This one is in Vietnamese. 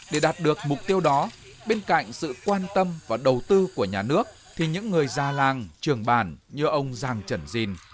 để đạt được mục tiêu đó bên cạnh sự quan tâm và đầu tư của nhà nước thì những người già làng trường bản như ông giang trần dìn